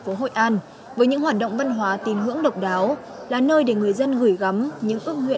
phố hội an với những hoạt động văn hóa tín ngưỡng độc đáo là nơi để người dân gửi gắm những ước nguyện